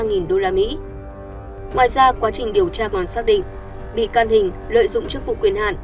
ngoài ra quá trình điều tra còn xác định bị can hình lợi dụng chức vụ quyền hạn